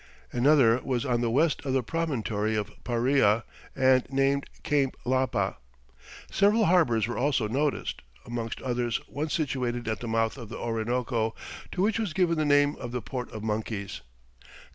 Another was on the west of the promontory of Paria, and named Cape Lapa. Several harbours were also noticed, amongst others one situated at the mouth of the Orinoco, to which was given the name of the Port of Monkeys.